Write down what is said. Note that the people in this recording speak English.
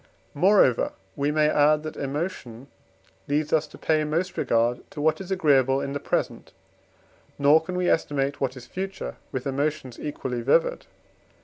Moreover we may add that emotion leads us to pay most regard to what is agreeable in the present, nor can we estimate what is future with emotions equally vivid.